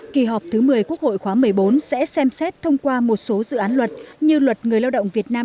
kỳ họp thứ một mươi quốc hội khóa một mươi bốn sẽ xem xét thông qua một số dự án luật như luật người lao động việt nam